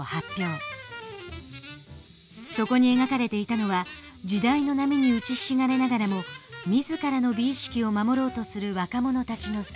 そこに描かれていたのは時代の波にうちひしがれながらも自らの美意識を守ろうとする若者たちの姿。